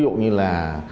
ví dụ như là